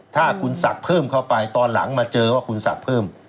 ถ้าคุณศักดิ์เพิ่มเข้าไปตอนหลังมาเจอว่าคุณศักดิ์เพิ่ม